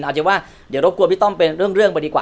อาจจะว่าเดี๋ยวรบกวนพี่ต้อมเป็นเรื่องไปดีกว่า